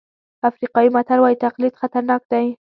افریقایي متل وایي تقلید خطرناک دی.